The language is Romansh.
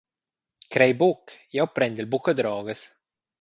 Crei buc, jeu prendel buca drogas.